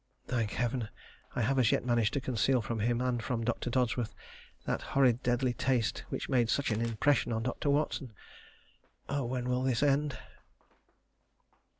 Thank Heaven I have as yet managed to conceal from him and from Dr. Dodsworth that horrid deadly taste which made such an impression on Dr. Watson. Oh, when will this end!